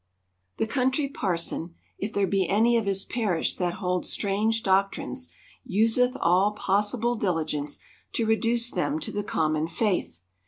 The Country Parson, if there be any of his parish that hold strange doctrines, useth all possible diligence to reduce them to the common faith.